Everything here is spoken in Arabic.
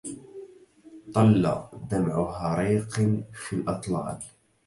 طل دمع هريق في الأطلال